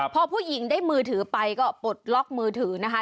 พอผู้หญิงได้มือถือไปก็ปลดล็อกมือถือนะคะ